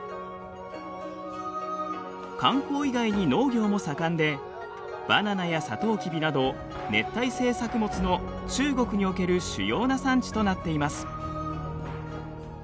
観光以外に農業も盛んでバナナやサトウキビなど熱帯性作物の中国における主要な産地となっています。